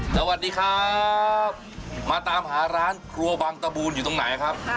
สวัสดีครับมาตามหาร้านครัวบางตะบูนอยู่ตรงไหนครับ